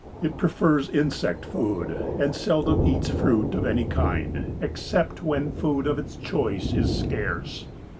It prefers insect food and seldom eats fruit of any kind, except when food of its choice is scarce.